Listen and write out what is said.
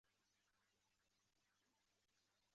家麻雀的原产地在欧洲及亚洲的大部份区域。